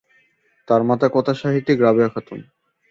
তার মাতা কথাসাহিত্যিক রাবেয়া খাতুন।